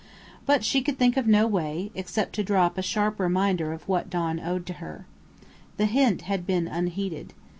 But she could think of no way, except to drop a sharp reminder of what Don owed to her. The hint had been unheeded.